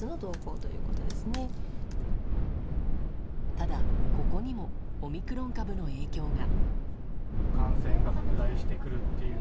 ただ、ここにもオミクロン株の影響が。